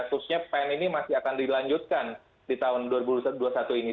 khususnya pen ini masih akan dilanjutkan di tahun dua ribu dua puluh satu ini